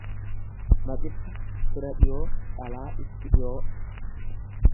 Maqibsa fira dhiyoo dhalaa itti dhiyoo.